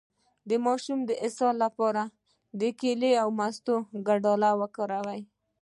د ماشوم د اسهال لپاره د کیلې او مستو ګډول وکاروئ